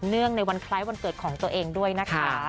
ในวันคล้ายวันเกิดของตัวเองด้วยนะคะ